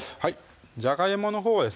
じゃがいものほうですね